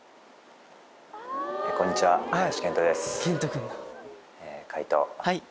こんにちは林遣都です。